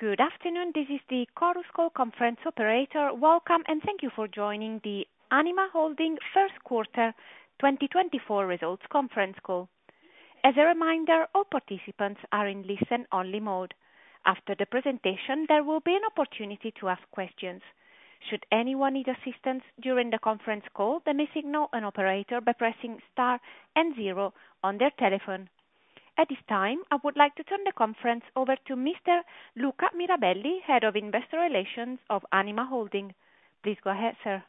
Good afternoon, this is the Chorus Call Conference Operator. Welcome, and thank you for joining the Anima Holding First Quarter 2024 Results Conference Call. As a reminder, all participants are in listen-only mode. After the presentation, there will be an opportunity to ask questions. Should anyone need assistance during the conference call, they may signal an operator by pressing star and zero on their telephone. At this time, I would like to turn the conference over to Mr. Luca Mirabelli, Head of Investor Relations of Anima Holding. Please go ahead, sir.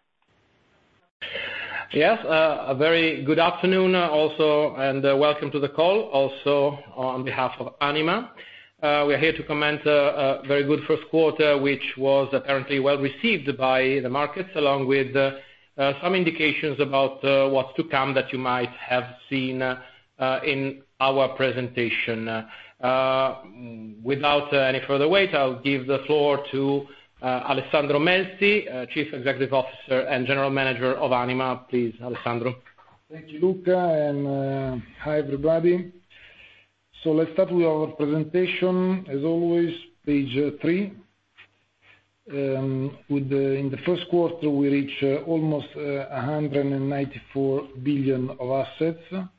Yes, a very good afternoon also, and welcome to the call, also on behalf of Anima. We are here to comment a very good first quarter, which was apparently well received by the markets, along with some indications about what's to come that you might have seen in our presentation. Without any further wait, I'll give the floor to Alessandro Melzi d'Eril, Chief Executive Officer and General Manager of Anima. Please, Alessandro. Thank you, Luca, and hi, everybody. So let's start with our presentation. As always, page three. In the first quarter, we reach almost 194 billion of assets.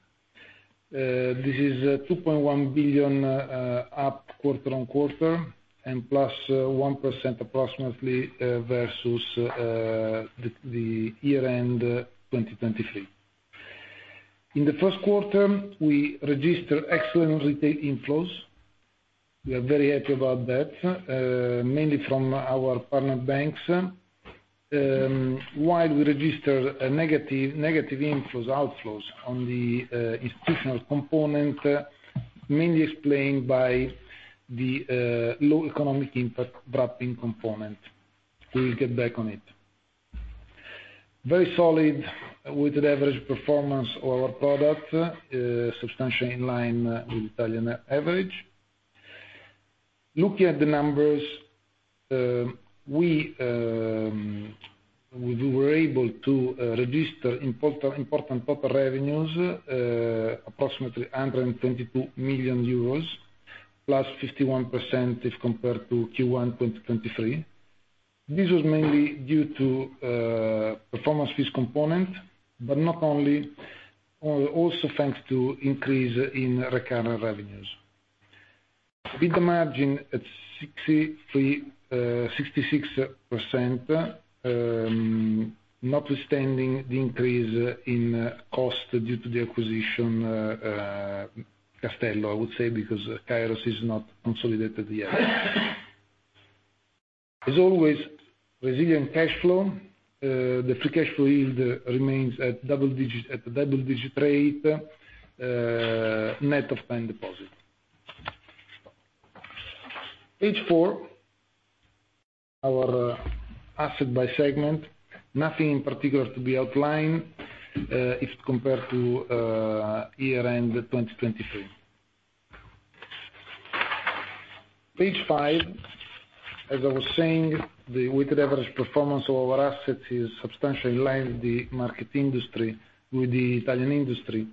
This is 2.1 billion up quarter-on-quarter and +1% approximately versus the year-end 2023. In the first quarter, we registered excellent retail inflows. We are very happy about that, mainly from our partner banks. While we register negative outflows on the institutional component, mainly explained by the low economic impact wrapping component, we will get back on it. Very solid with the average performance of our product, substantially in line with Italian average. Looking at the numbers, we were able to register important top revenues, approximately 122 million euros, +51% if compared to Q1 2023. This was mainly due to performance fees component, but not only, also thanks to increase in recurrent revenues. With the margin at 66%, notwithstanding the increase in cost due to the acquisition, Castello, I would say, because Kairos is not consolidated yet. As always, resilient cash flow, the free cash flow yield remains at double digit, at a double-digit rate, net of time deposit. Page 4, our asset by segment. Nothing in particular to be outlined, if compared to year-end 2023. Page 5, as I was saying, the weighted average performance of our assets is substantially in line with the market industry, with the Italian industry.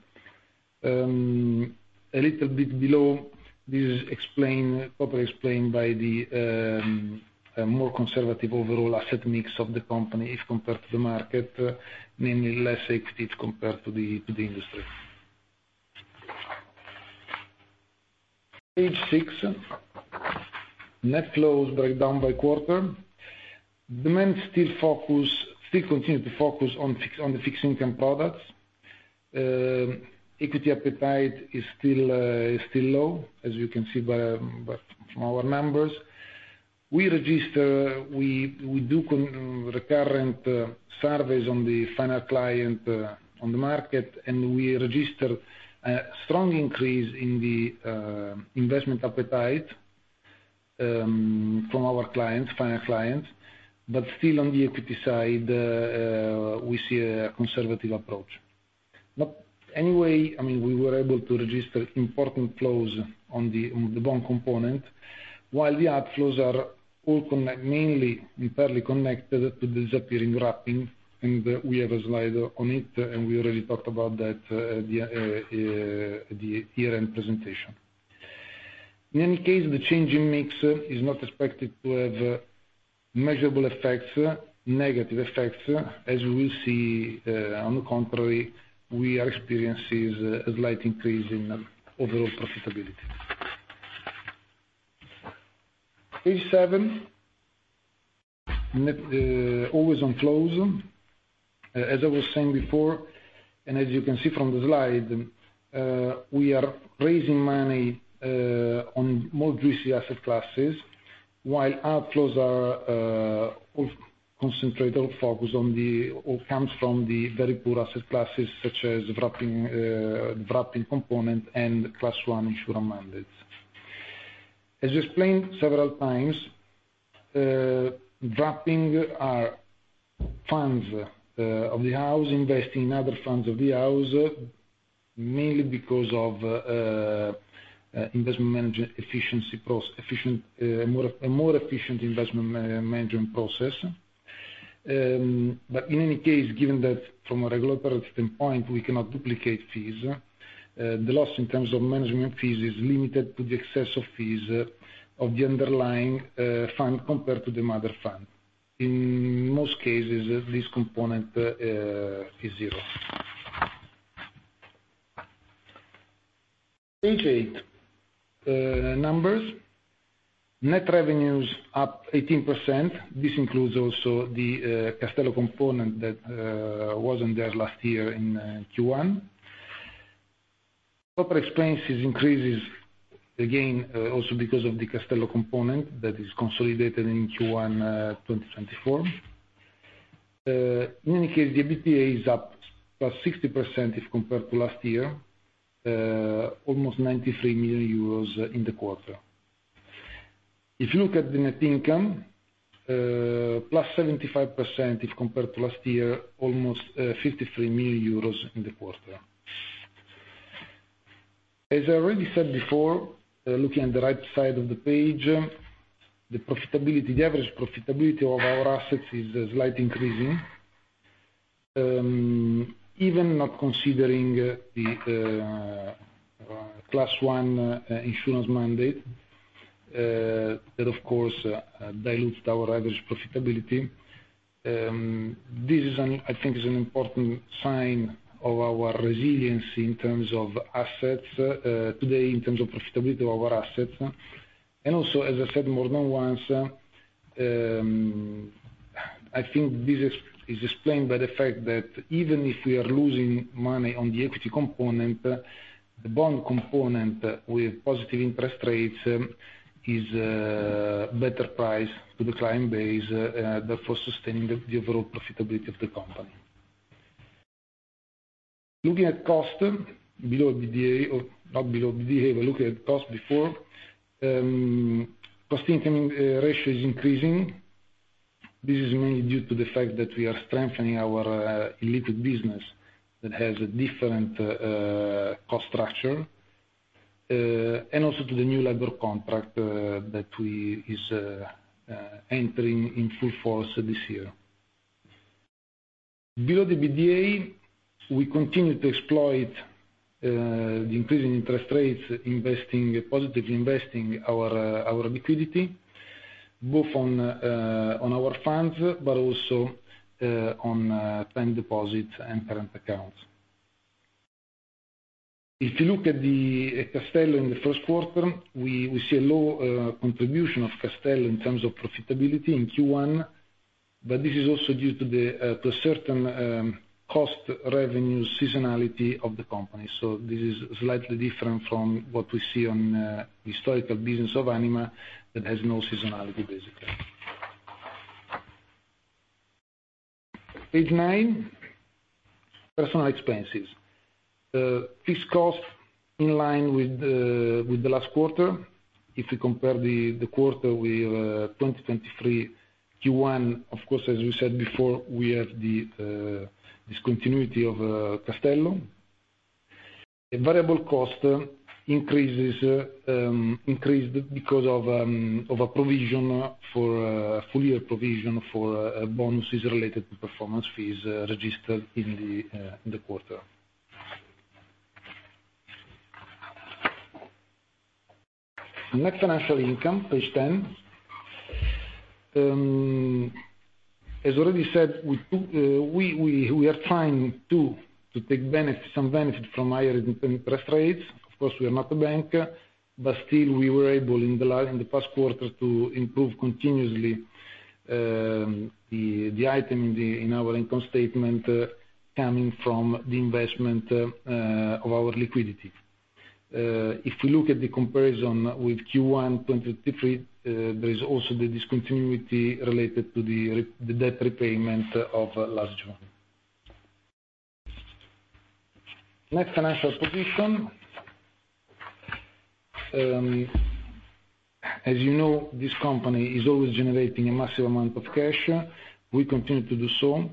A little bit below, this is explained, properly explained by the, a more conservative overall asset mix of the company if compared to the market, mainly less equity compared to the, to the industry. Page 6. Net flows break down by quarter. Demand still focus, still continue to focus on fix, on the fixed income products. Equity appetite is still, is still low, as you can see by, by from our numbers. We register, we, we do recurrent, surveys on the final client, on the market, and we register a strong increase in the, investment appetite, from our clients, final clients. But still on the equity side, we see a conservative approach. But anyway, I mean, we were able to register important flows on the bond component, while the outflows are all mainly entirely connected to the disappearing wrapping, and we have a slide on it, and we already talked about that, the year-end presentation. In any case, the change in mix is not expected to have measurable effects, negative effects, as we will see, on the contrary, we are experiencing a slight increase in overall profitability. Page seven. Net, always on flows. As I was saying before, and as you can see from the slide, we are raising money on more juicy asset classes, while outflows are all concentrated or focused on the, or comes from the very poor asset classes, such as wrapping, wrapping component and Class I insurance mandates. As explained several times, wrapping are funds of the house, investing in other funds of the house, mainly because of investment management efficiency, efficient, a more efficient investment management process. But in any case, given that from a regulatory standpoint, we cannot duplicate fees, the loss in terms of management fees is limited to the excess of fees of the underlying fund compared to the mother fund. In most cases, this component is zero. Page 8, numbers. Net revenues up 18%. This includes also the Castello component that wasn't there last year in Q1. Operating expenses increases again, also because of the Castello component that is consolidated in Q1 2024. In any case, the EBITDA is up about 60% if compared to last year, almost 93 million euros in the quarter. If you look at the net income, plus 75% if compared to last year, almost 53 million euros in the quarter. As I already said before, looking at the right side of the page, the profitability, the average profitability of our assets is slightly increasing. Even not considering the class one insurance mandate, that of course dilutes our average profitability. This is an, I think is an important sign of our resiliency in terms of assets today, in terms of profitability of our assets. And also, as I said more than once, I think this is explained by the fact that even if we are losing money on the equity component, the bond component with positive interest rates is better priced to the client base, therefore sustaining the overall profitability of the company. Looking at cost below the EBITDA or not below EBITDA, but looking at cost income ratio is increasing. This is mainly due to the fact that we are strengthening our illiquid business that has a different cost structure, and also to the new labor contract that is entering in full force this year. Below the EBITDA, we continue to exploit the increasing interest rates, positively investing our liquidity, both on our funds, but also on time deposits and current accounts. If you look at the Castello in the first quarter, we see a low contribution of Castello in terms of profitability in Q1, but this is also due to the to certain cost revenue seasonality of the company. So this is slightly different from what we see on historical business of Anima, that has no seasonality, basically. Page nine, personnel expenses. This cost in line with the last quarter. If you compare the quarter with 2023 Q1, of course, as we said before, we have the discontinuity of Castello. A variable cost increased because of a provision for full year provision for bonuses related to performance fees, registered in the quarter. Net financial income, page 10. As already said, we are trying to take some benefit from higher interest rates. Of course, we are not a bank, but still we were able, in the past quarter, to improve continuously the item in our income statement, coming from the investment of our liquidity. If you look at the comparison with Q1 2023, there is also the discontinuity related to the debt repayment of last June. Net financial position. As you know, this company is always generating a massive amount of cash. We continue to do so.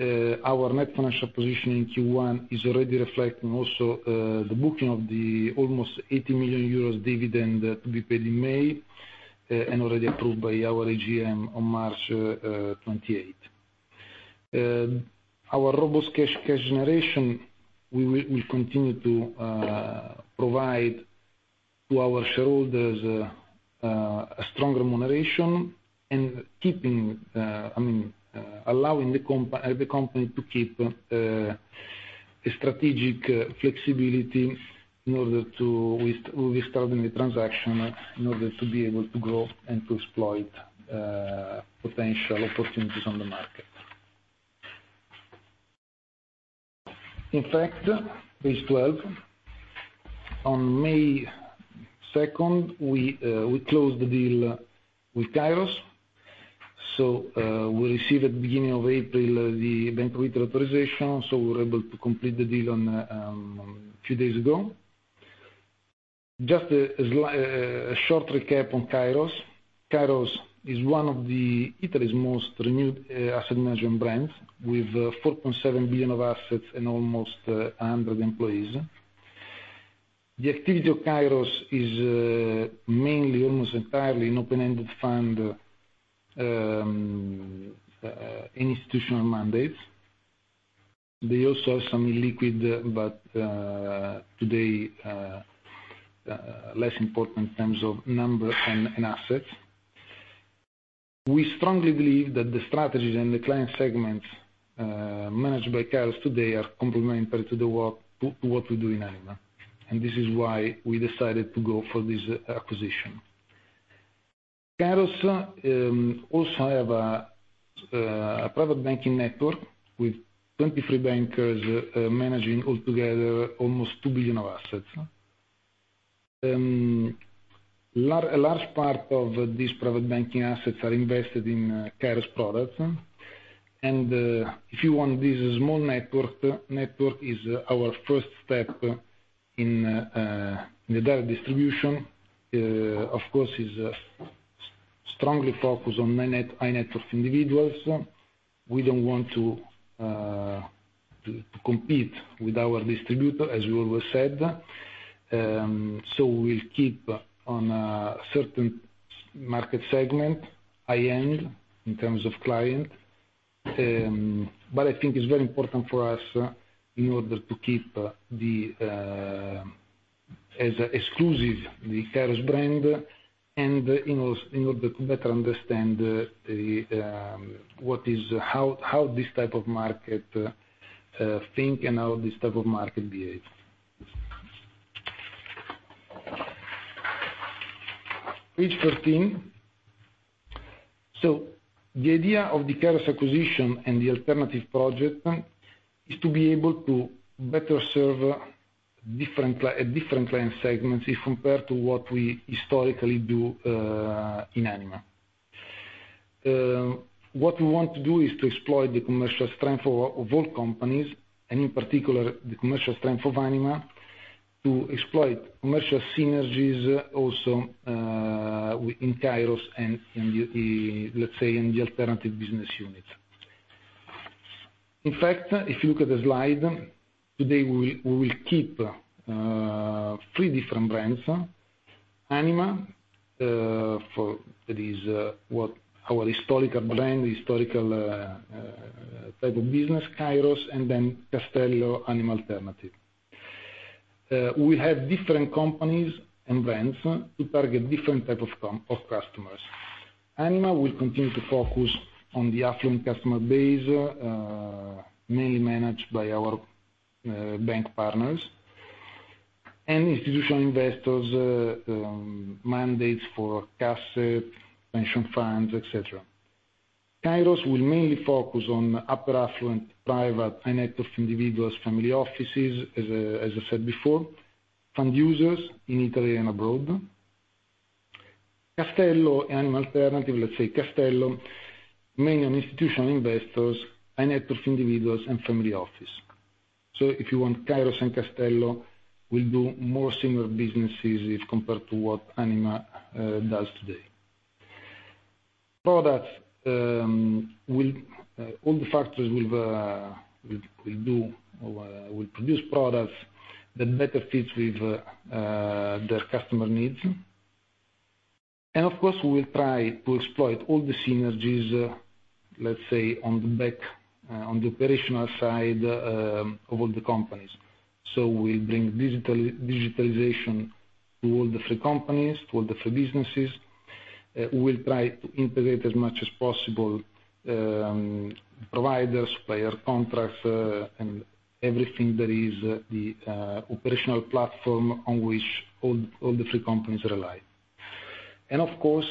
Our net financial position in Q1 is already reflecting also the booking of the almost 80 million euros dividend to be paid in May and already approved by our AGM on March 28. Our robust cash generation, we continue to provide to our shareholders a strong remuneration and keeping, I mean, allowing the company to keep a strategic flexibility in order to, with starting the transaction, in order to be able to grow and to exploit potential opportunities on the market. In fact, page 12, on May 2 we closed the deal with Kairos. So, we received at the beginning of April the bank authorization, so we were able to complete the deal a few days ago. Just a short recap on Kairos. Kairos is one of Italy's most renowned asset management brands, with 4.7 billion of assets and almost 100 employees. The activity of Kairos is mainly almost entirely an open-ended fund, institutional mandates. They also have some illiquid, but today less important in terms of number and assets. We strongly believe that the strategies and the client segments managed by Kairos today are complementary to the work, to what we do in Anima, and this is why we decided to go for this acquisition. Kairos also have a private banking network with 23 bankers managing altogether almost 2 billion of assets. A large part of these private banking assets are invested in Kairos products, and if you want, this small network is our first step in the direct distribution. Of course, is strongly focused on high net worth individuals. We don't want to compete with our distributor, as we always said, so we'll keep on a certain market segment, high end, in terms of client. But I think it's very important for us in order to keep the Kairos brand as exclusive, and in order to better understand what is... How this type of market thinks, and how this type of market behaves. Page thirteen. So the idea of the Kairos acquisition and the alternative project is to be able to better serve different client segments if compared to what we historically do in Anima. What we want to do is to exploit the commercial strength of all, of all companies, and in particular, the commercial strength of Anima, to exploit commercial synergies also in Kairos, and in the, let's say, in the alternative business unit. In fact, if you look at the slide, today we will keep three different brands: Anima for it is what our historical brand, historical type of business, Kairos, and then Castello Anima Alternative. We have different companies and brands to target different type of customers. Anima will continue to focus on the affluent customer base, mainly managed by our bank partners and institutional investors, mandates for cash, pension funds, et cetera. Kairos will mainly focus on upper affluent, private, high net worth individuals, family offices, as, as I said before, fund users in Italy and abroad. Castello and Anima Alternative, let's say Castello, mainly on institutional investors, high net worth individuals and family office. So if you want, Kairos and Castello will do more similar businesses if compared to what Anima does today. Products, all the factors will produce products that better fit with their customer needs. And of course, we will try to exploit all the synergies, let's say, on the back, on the operational side, of all the companies. So we bring digital, digitalization to all the 3 companies, to all the 3 businesses. We'll try to integrate as much as possible, providers, player contracts, and everything that is the, operational platform on which all, all the 3 companies rely. And of course,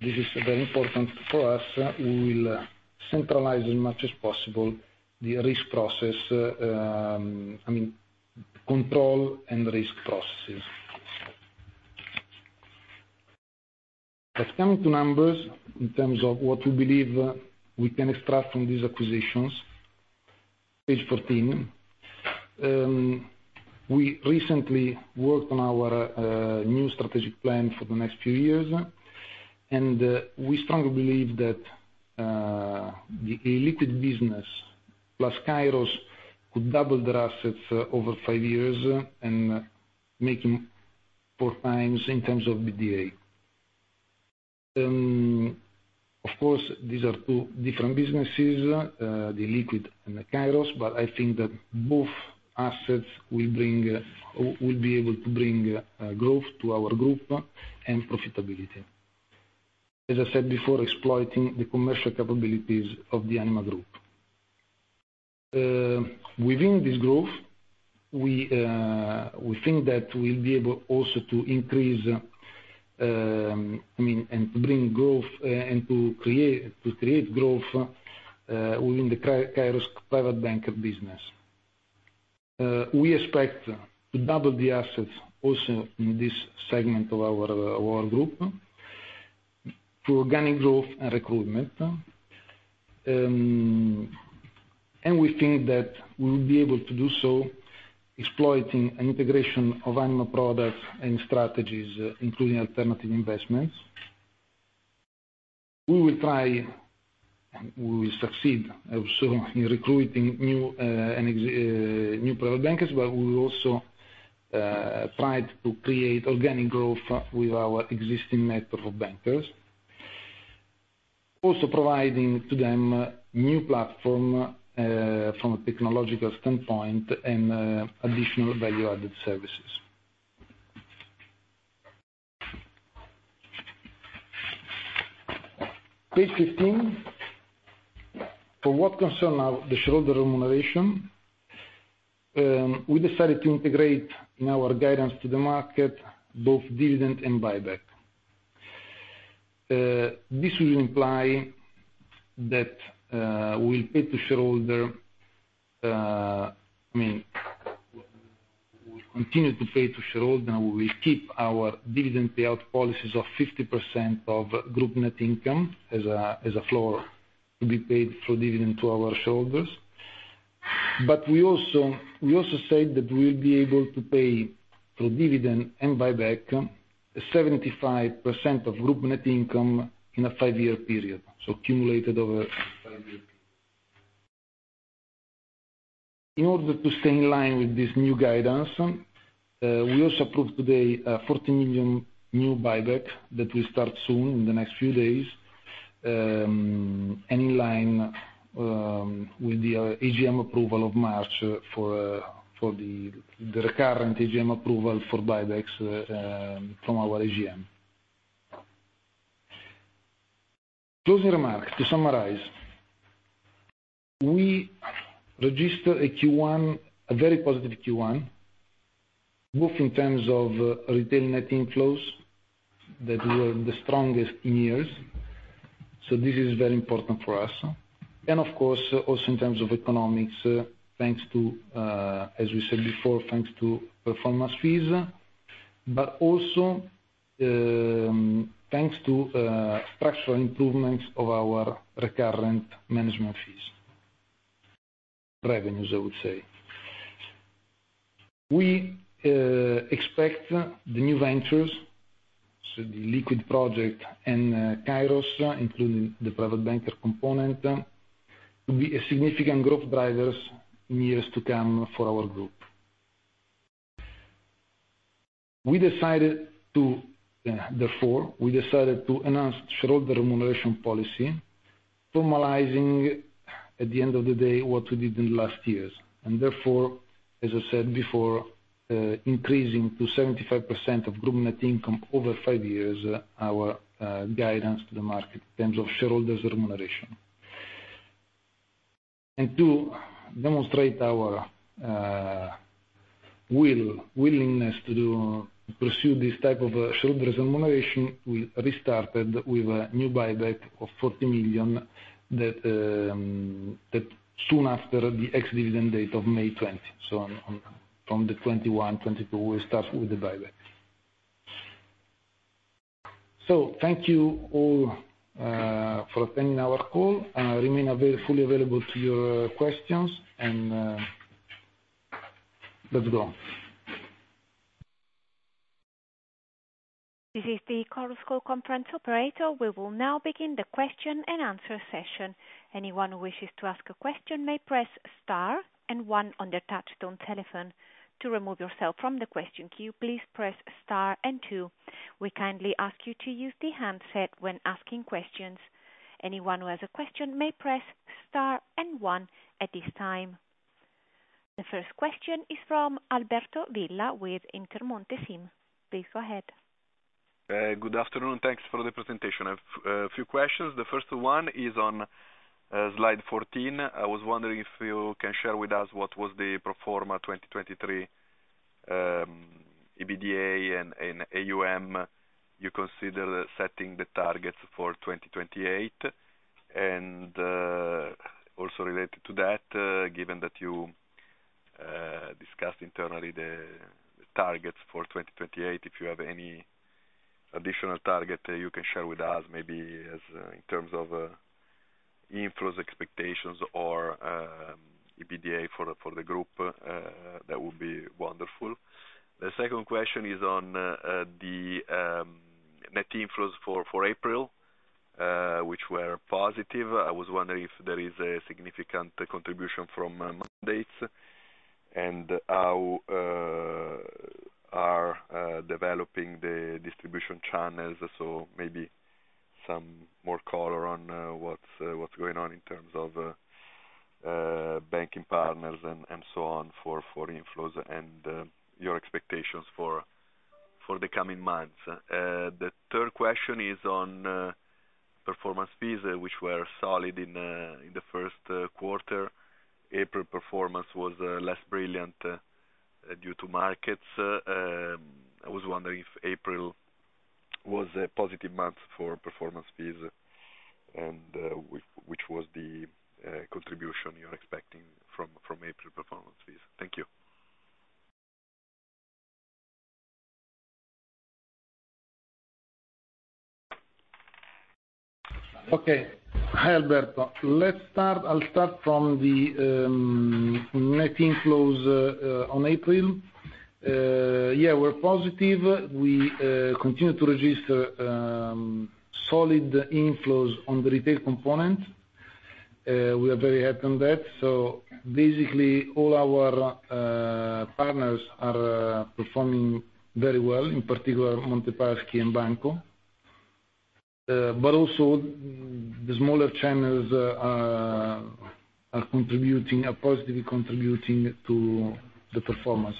this is very important for us, we will centralize as much as possible the risk process, I mean, control and risk processes. Let's come to numbers in terms of what we believe, we can extract from these acquisitions. Page 14. We recently worked on our, new strategic plan for the next few years, and, we strongly believe that, the illiquid business, plus Kairos, could double their assets over 5 years, and making 4 times in terms of EBITDA. Of course, these are two different businesses, the illiquid and the Kairos, but I think that both assets will bring, will be able to bring, growth to our group, and profitability. As I said before, exploiting the commercial capabilities of the Anima group. Within this growth, we, we think that we'll be able also to increase, I mean, and to bring growth, and to create, to create growth, within the Kairos private banker business. We expect to double the assets also in this segment of our, our group, through organic growth and recruitment. And we think that we will be able to do so, exploiting an integration of Anima products and strategies, including alternative investments.... We will try, we will succeed also in recruiting new private bankers, but we will also try to create organic growth with our existing network of bankers. Also providing to them new platform from a technological standpoint and additional value-added services. Page 15. For what concern our the shareholder remuneration, we decided to integrate in our guidance to the market, both dividend and buyback. This will imply that we pay to shareholder, I mean, we'll continue to pay to shareholder, and we will keep our dividend payout policies of 50% of group net income as a floor to be paid through dividend to our shareholders. But we also, we also said that we'll be able to pay through dividend and buyback, 75% of group net income in a five-year period, so accumulated over five years. In order to stay in line with this new guidance, we also approved today a 40 million new buyback that will start soon, in the next few days. And in line with the AGM approval of March for the recurrent AGM approval for buybacks, from our AGM. Closing remarks. To summarize, we registered a Q1, a very positive Q1, both in terms of retail net inflows that were the strongest in years, so this is very important for us. And of course, also in terms of economics, thanks to, as we said before, thanks to performance fees, but also, thanks to, structural improvements of our recurrent management fees, revenues, I would say. We expect the new ventures, so the Liquid project and, Kairos, including the private banker component, to be a significant growth drivers in years to come for our group. We decided to, therefore, we decided to enhance shareholder remuneration policy, formalizing at the end of the day, what we did in the last years, and therefore, as I said before, increasing to 75% of group net income over five years, our guidance to the market in terms of shareholders' remuneration. To demonstrate our willingness to do, to pursue this type of shareholders remuneration, we restarted with a new buyback of 40 million that soon after the ex-dividend date of May 20. So on, from the 21, 22, we'll start with the buyback. So thank you all for attending our call. I remain fully available to your questions, and let's go on. This is the Chorus Call Conference Operator. We will now begin the question and answer session. Anyone who wishes to ask a question may press star and one on their touchtone telephone. To remove yourself from the question queue, please press star and two. We kindly ask you to use the handset when asking questions. Anyone who has a question may press star and one at this time. The first question is from Alberto Villa with Intermonte SIM. Please go ahead. Good afternoon, thanks for the presentation. I have a few questions. The first one is on slide 14. I was wondering if you can share with us what was the pro forma 2023 EBITDA and AUM you consider setting the targets for 2028. Also related to that, given that you discussed internally the targets for 2028, if you have any additional target that you can share with us, maybe in terms of inflows expectations or EBITDA for the group, that would be wonderful. The second question is on the net inflows for April, which were positive. I was wondering if there is a significant contribution from mandates, and how are developing the distribution channels. So maybe some more color on what's going on in terms of banking partners and so on, for inflows and your expectations for the coming months. The third question is on performance fees, which were solid in the first quarter. April performance was less brilliant due to markets. I was wondering if April was a positive month for performance fees and which was the contribution you're expecting from April performance fees? Thank you. Okay. Hi, Alberto. Let's start. I'll start from the net inflows on April. Yeah, we're positive. We continue to register solid inflows on the retail component. We are very happy on that. So basically, all our partners are performing very well, in particular Montepaschi and Banco. But also the smaller channels are contributing, are positively contributing to the performance.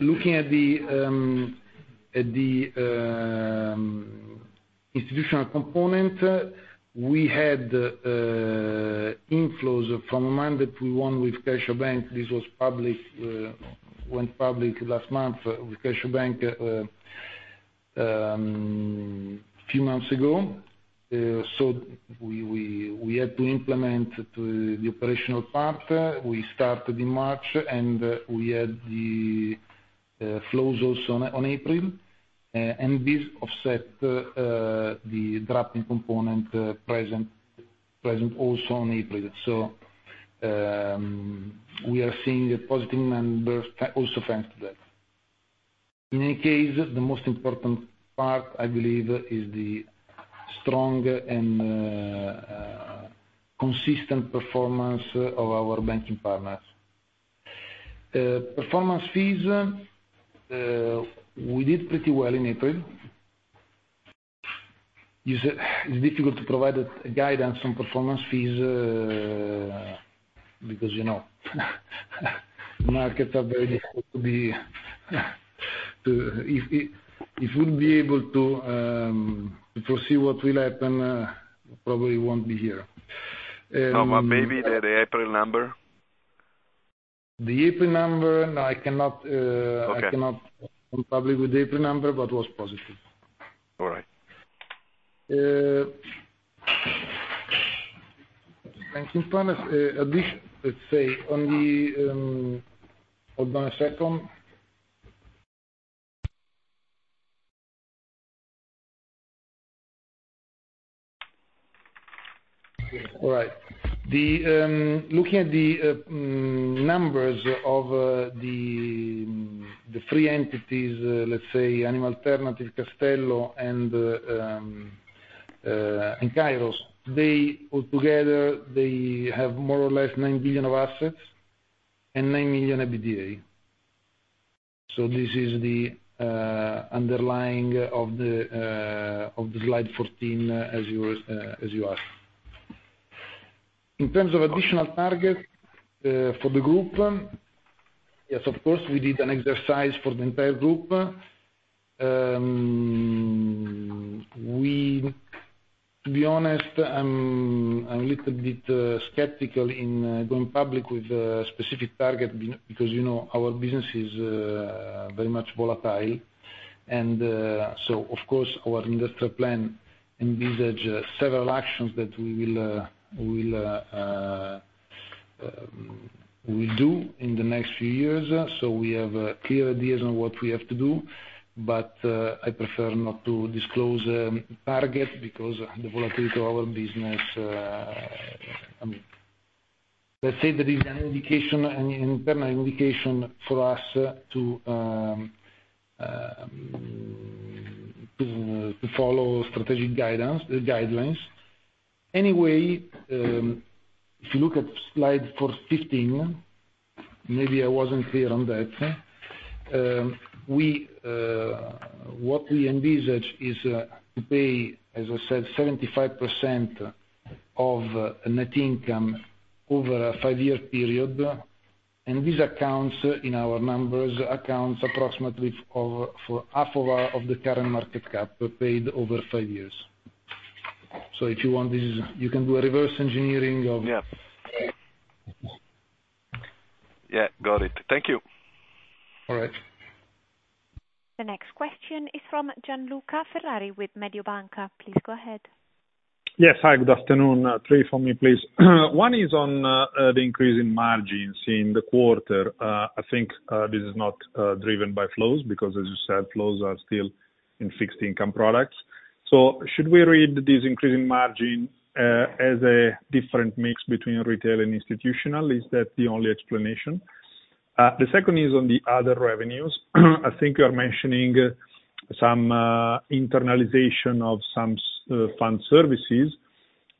Looking at the institutional component, we had inflows from a mandate we won with Cassa Forense. This was public, went public last month with Cassa Forense, a few months ago. So we had to implement the operational part. We started in March, and we had the flows also on April, and this offset the outflow component, present also on April. So, we are seeing a positive numbers, also thanks to that. In any case, the most important part, I believe, is the strong and consistent performance of our banking partners. Performance fees, we did pretty well in April. It's difficult to provide a guidance on performance fees, because, you know, markets are very difficult to be... If we'd be able to foresee what will happen, probably won't be here. No, but maybe the April number? The April number, I cannot, Okay. I cannot go public with the April number, but was positive. All right. Banking partners, addition, let's say on the... Hold on a second. All right. Looking at the numbers of the three entities, let's say, Anima Alternative, Castello, and Kairos, they all together, they have more or less 9 billion of assets and 9 million EBITDA. So this is the underlying of the slide 14, as you asked. In terms of additional target for the group, yes, of course, we did an exercise for the entire group. To be honest, I'm a little bit skeptical in going public with a specific target because, you know, our business is very much volatile. So of course, our industrial plan envisages several actions that we will do in the next few years. So we have clear ideas on what we have to do, but I prefer not to disclose targets because the volatility to our business, I mean, let's say there is an indication, an internal indication for us to follow strategic guidance, guidelines. Anyway, if you look at slide 415, maybe I wasn't clear on that. We, what we envisage is, to pay, as I said, 75% of net income over a five-year period, and this accounts, in our numbers, accounts approximately over for half of our, of the current market cap, paid over five years. So if you want this, you can do a reverse engineering of- Yeah. Yeah, got it. Thank you. All right. The next question is from Gianluca Ferrari with Mediobanca. Please go ahead. Yes. Hi, good afternoon. Three for me, please. One is on the increase in margins in the quarter. I think this is not driven by flows, because as you said, flows are still in fixed income products. So should we read this increase in margin as a different mix between retail and institutional? Is that the only explanation? The second is on the other revenues. I think you are mentioning some internalization of some fund services.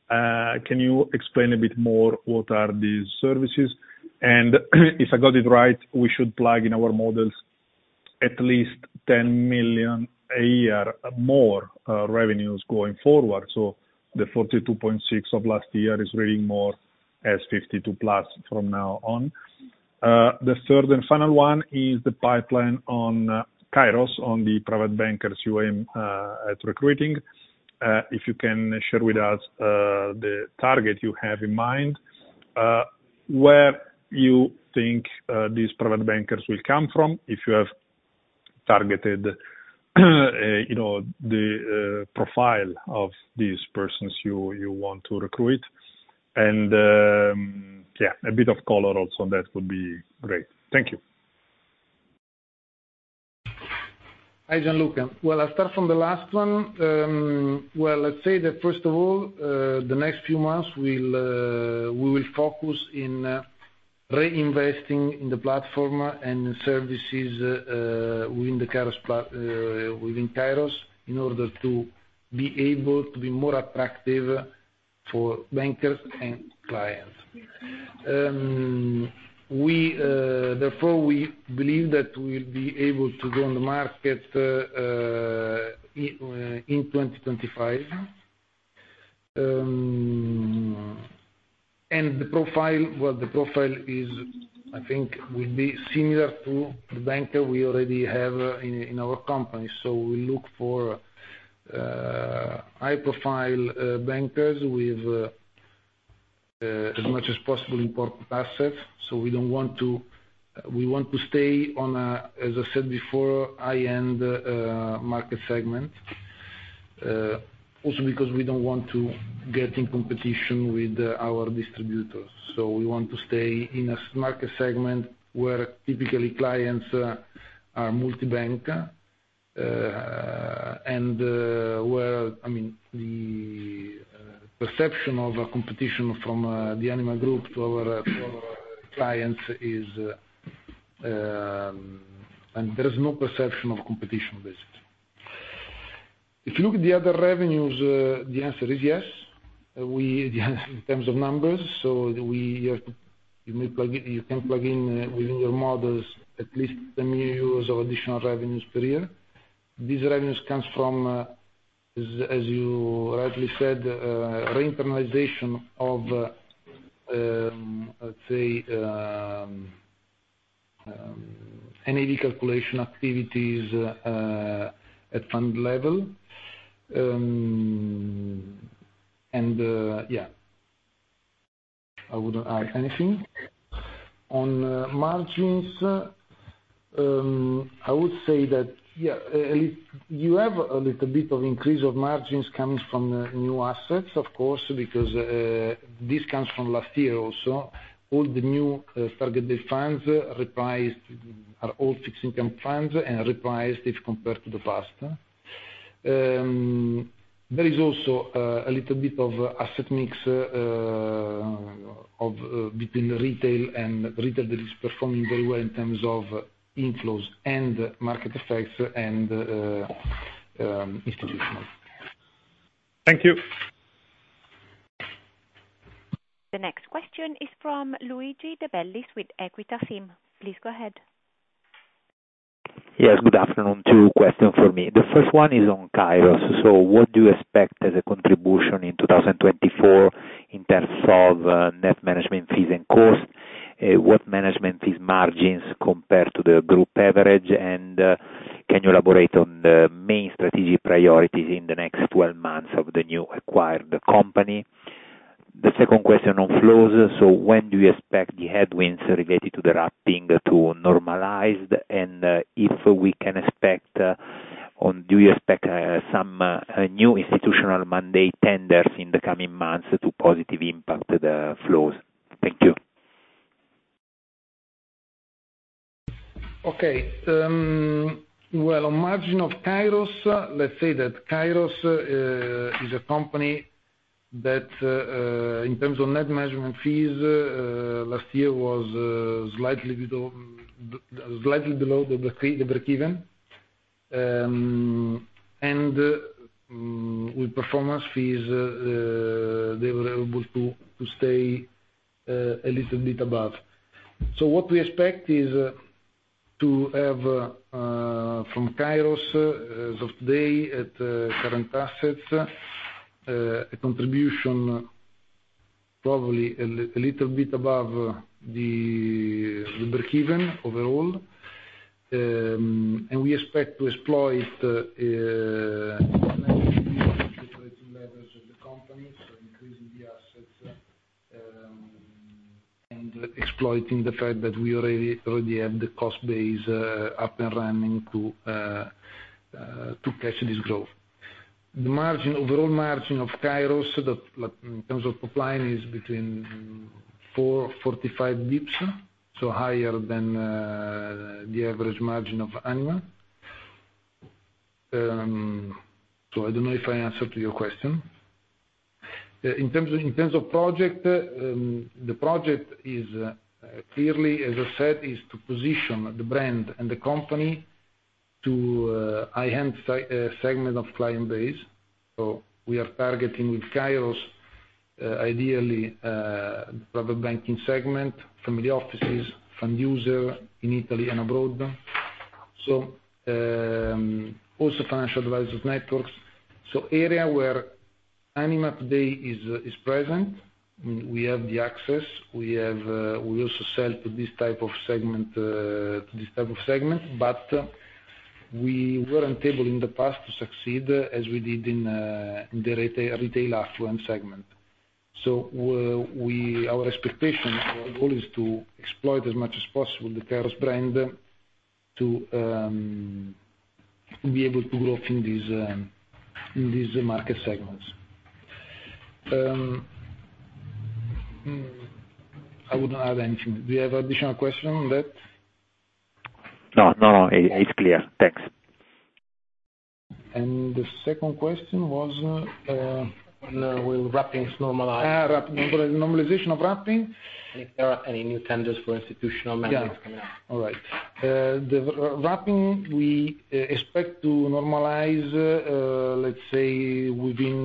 Can you explain a bit more, what are these services? And, if I got it right, we should plug in our models at least 10 million a year more revenues going forward. So the 42.6 of last year is reading more as 52 plus from now on. The third and final one is the pipeline on Kairos, on the private bankers you aim at recruiting. If you can share with us the target you have in mind, where you think these private bankers will come from, if you have targeted you know the profile of these persons you want to recruit. And yeah, a bit of color also, that would be great. Thank you.... Hi, Gian luca. Well, I'll start from the last one. Well, let's say that first of all, the next few months, we'll, we will focus in reinvesting in the platform and the services, within Kairos, in order to be able to be more attractive for bankers and clients. Therefore, we believe that we'll be able to go on the market, in 2025. And the profile, well, the profile is, I think, will be similar to the banker we already have in our company. So we look for high-profile bankers with, as much as possible, important assets. So we want to stay on a, as I said before, high-end market segment. Also because we don't want to get in competition with our distributors. So we want to stay in a market segment where typically clients are multi-bank, and where, I mean, the perception of a competition from the Anima group to our clients is... There is no perception of competition, basically. If you look at the other revenues, the answer is yes. We in terms of numbers, so we have to, you may plug in- you can plug in within your models, at least 10 new years of additional revenues per year. These revenues comes from, as you rightly said, reinternalization of, let's say, NAV calculation activities at fund level. And yeah, I wouldn't add anything. On margins, I would say that, yeah, at least you have a little bit of increase of margins coming from the new assets, of course, because this comes from last year also. All the new target defined, repriced, are all fixed income funds and repriced if compared to the past. There is also a little bit of asset mix of between the retail, and retail that is performing very well in terms of inflows and market effects and institutional. Thank you. The next question is from Luigi De Bellis with Equita SIM. Please go ahead. Yes, good afternoon. Two questions for me. The first one is on Kairos. So what do you expect as a contribution in 2024 in terms of net management fees and costs? What management fees margins compare to the group average? And can you elaborate on the main strategic priorities in the next 12 months of the new acquired company? The second question on flows. So when do you expect the headwinds related to the wrapping to normalize, and if we can expect, on, do you expect some new institutional mandate tenders in the coming months to positively impact the flows? Thank you. Okay. Well, on margin of Kairos, let's say that Kairos is a company that in terms of net management fees last year was slightly below, slightly below the breakeven. And with performance fees they were able to stay a little bit above. So what we expect is to have from Kairos as of today at current assets a contribution probably a little bit above the breakeven overall. And we expect to exploit operating levels of the company, so increasing the assets and exploiting the fact that we already have the cost base up and running to catch this growth. The margin, overall margin of Kairos, like, in terms of top line, is between 445 basis points, so higher than the average margin of Anima. So I don't know if I answered to your question. In terms of project, the project is clearly, as I said, to position the brand and the company to high-end segment of client base. So we are targeting with Kairos, ideally, private banking segment, family offices, fund users in Italy and abroad. So also financial advisors networks. So area where Anima today is present, we have the access, we have, we also sell to this type of segment, to this type of segment, but we weren't able in the past to succeed as we did in the retail affluent segment. So we, our expectation, our goal is to exploit as much as possible the Kairos brand to be able to grow in these, in these market segments. I wouldn't add anything. Do you have additional question on that? No, no, no, it's clear. Thanks. And the second question was. When will wrappings normalize? Ah, wrapping. Normalization of wrapping. If there are any new tenders for institutional mandates coming up? Yeah. All right. The wrapping, we expect to normalize, let's say, within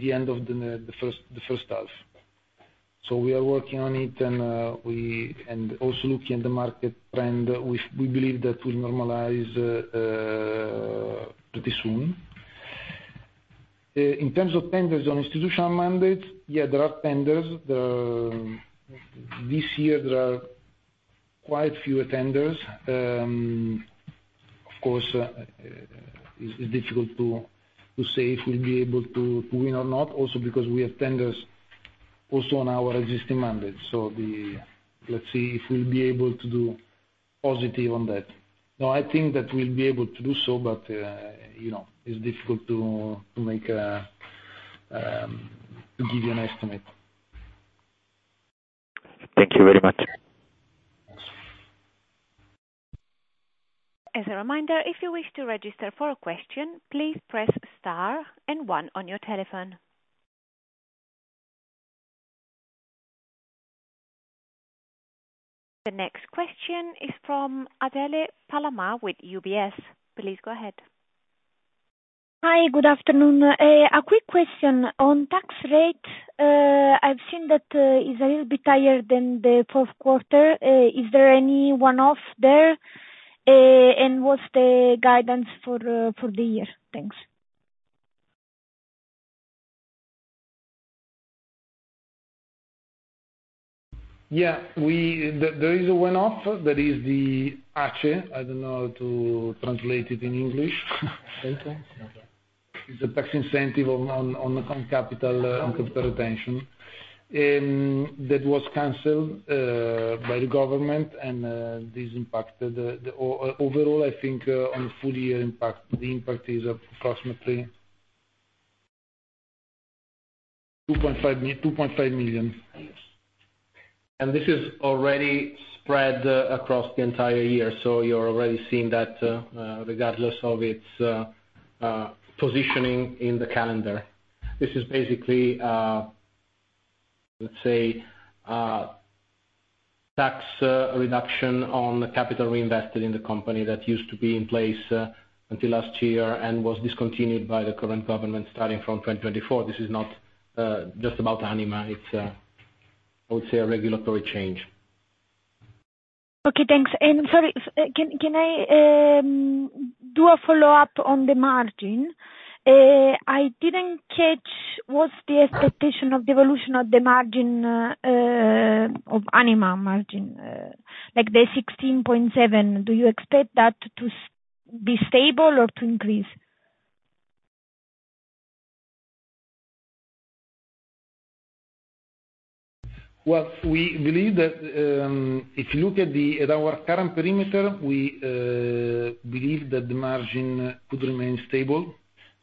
the end of the first half. So we are working on it, and also looking at the market trend, we believe that will normalize pretty soon. In terms of tenders on institutional mandates, yeah, there are tenders. This year there are quite a few tenders. Of course, it's difficult to say if we'll be able to win or not. Also, because we have tenders also on our existing mandate, so the... Let's see if we'll be able to do positive on that. No, I think that we'll be able to do so, but you know, it's difficult to give you an estimate. Thank you very much. As a reminder, if you wish to register for a question, please press star and one on your telephone. The next question is from Adele Palama with UBS. Please go ahead. Hi, good afternoon. A quick question on tax rate. I've seen that, it's a little bit higher than the fourth quarter. Is there any one-off there? What's the guidance for the year? Thanks. Yeah, there is a one-off. There is the ACE. I don't know how to translate it in English. Okay. It's a tax incentive on capital retention. That was canceled by the government, and this impacted the overall. I think on the full year impact, the impact is approximately 2.5, 2.5 million. And this is already spread across the entire year, so you're already seeing that, regardless of its positioning in the calendar. This is basically, let's say, tax reduction on the capital reinvested in the company that used to be in place, until last year and was discontinued by the current government starting from 2024. This is not just about Anima. It's, I would say, a regulatory change. Okay, thanks. And sorry, can I do a follow-up on the margin? I didn't catch what's the expectation of the evolution of the margin, of Anima margin, like, the 16.7. Do you expect that to be stable or to increase? Well, we believe that, if you look at the, at our current perimeter, we believe that the margin could remain stable.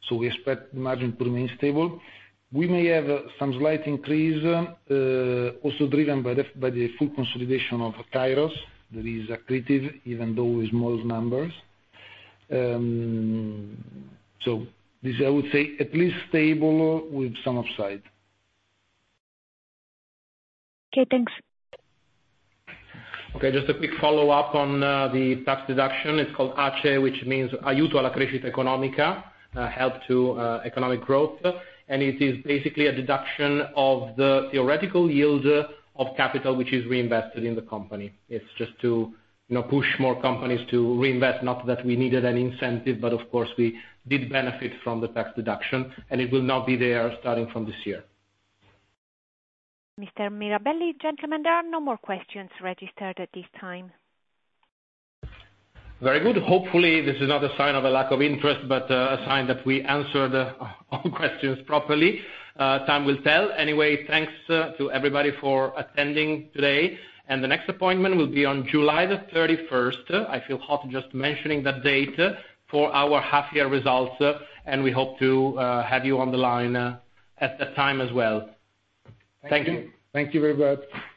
So we expect the margin to remain stable. We may have some slight increase, also driven by the, by the full consolidation of Kairos, that is accretive, even though with small numbers. So this, I would say, at least stable with some upside. Okay, thanks. Okay, just a quick follow-up on the tax deduction. It's called ACE, which means Aiuto alla Crescita Economica, help to economic growth. And it is basically a deduction of the theoretical yield of capital, which is reinvested in the company. It's just to, you know, push more companies to reinvest, not that we needed any incentive, but of course, we did benefit from the tax deduction, and it will not be there starting from this year. Mr. Mirabelli, gentlemen, there are no more questions registered at this time. Very good. Hopefully, this is not a sign of a lack of interest, but a sign that we answered all questions properly. Time will tell. Anyway, thanks to everybody for attending today, and the next appointment will be on July 31st, I feel hot just mentioning that date, for our half-year results, and we hope to have you on the line at that time as well. Thank you. Thank you. Thank you very much.